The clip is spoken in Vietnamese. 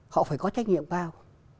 họ phải có trách nhiệm bao